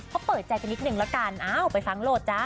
เค้าเปิดใจกันนิดหนึ่งละกัน